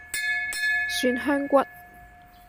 蒜香骨